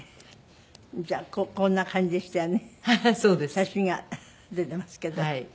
写真が出ていますけど。